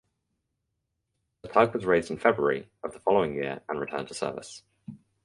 The tug was raised in February of the following year and returned to service.